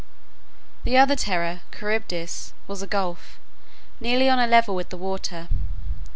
The other terror, Charybdis, was a gulf, nearly on a level with the water.